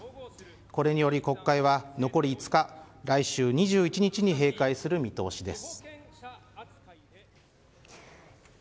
これにより国会は残り５日来週２１日に閉会する見通しです。